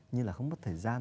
như là không có thời gian